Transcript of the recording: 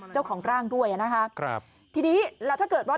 เจ้าของร่างด้วยนะคะครับทีนี้แล้วถ้าเกิดว่า